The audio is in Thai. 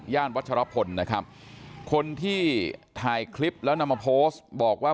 วัชรพลนะครับคนที่ถ่ายคลิปแล้วนำมาโพสต์บอกว่า